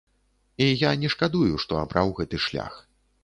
І я не шкадую, што абраў гэты шлях.